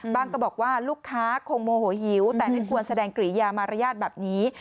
ก็บอกว่าลูกค้าคงโมโหหิวแต่ไม่ควรแสดงกริยามารยาทแบบนี้